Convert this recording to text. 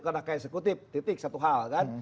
entah ke eksekutif titik satu hal kan